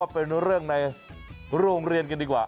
เป็นเรื่องในโรงเรียนกันดีกว่า